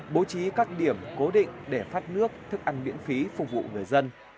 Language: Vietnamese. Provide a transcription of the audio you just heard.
với những điểm cố định để phát nước thức ăn miễn phí phục vụ người dân